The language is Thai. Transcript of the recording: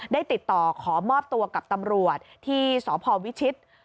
ติดต่อขอมอบตัวกับตำรวจที่สพวิชิต